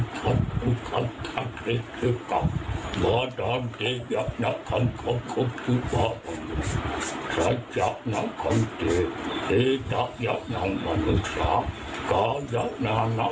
ปูปะหูมีกังถือเนี่ยงควร